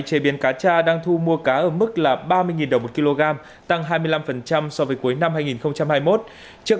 chế biến cá cha đang thu mua cá ở mức là ba mươi đồng một kg tăng hai mươi năm so với cuối năm hai nghìn hai mươi một trước